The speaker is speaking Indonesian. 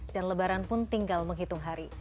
dan lebaran pun tinggal menghitung hari